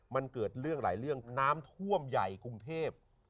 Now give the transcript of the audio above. มันเกิดเรื่องหลายเรื่องน้ำท่วมใหญ่กรุงเทพ